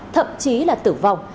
thậm chí là tử vong